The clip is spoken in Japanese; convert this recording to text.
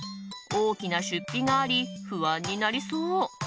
大きな出費があり不安になりそう。